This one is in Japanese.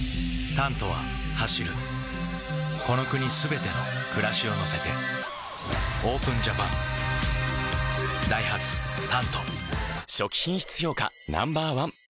「タント」は走るこの国すべての暮らしを乗せてＯＰＥＮＪＡＰＡＮダイハツ「タント」初期品質評価ＮＯ．１